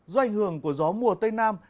do ảnh hưởng của gió mùa tây nam